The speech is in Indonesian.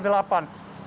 melalui penggeras suara